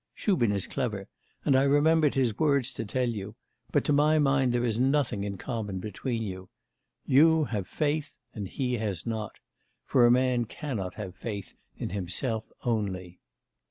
Shubin is clever, and I remembered his words to tell you; but to my mind there is nothing in common between you. You have faith, and he has not; for a man cannot have faith in himself only.